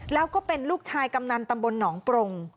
แล้วก็เป็นลูกชายกำนันตำบลหนองปรง